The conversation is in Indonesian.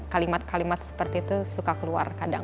kalimat kalimat seperti itu suka keluar kadang